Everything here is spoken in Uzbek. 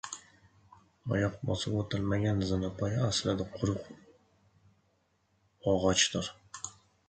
Oyoq bosib o‘tilmagan zinapoya aslida quruq og‘ochdir.